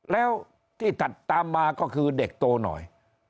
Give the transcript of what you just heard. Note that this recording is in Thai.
แล้วที่ถัดตามมาก็คือเด็กโตหน่อย